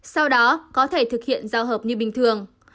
sau đó có thể thực hiện giao hợp như bình thường